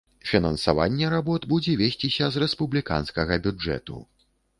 Фінансаванне работ будзе весціся з рэспубліканскага бюджэту.